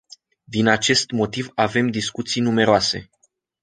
Din acest motiv avem discuții numeroase.